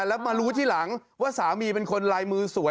แล้วมารู้ทีหลังว่าสามีเป็นคนลายมือสวย